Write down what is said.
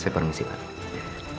saya permisi pak